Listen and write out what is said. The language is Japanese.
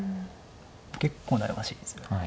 結構悩ましいですよね。